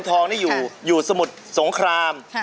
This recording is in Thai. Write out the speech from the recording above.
สวัสดีครับ